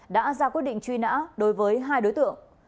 đã ra quyết định truy nã đối với hai đối tượng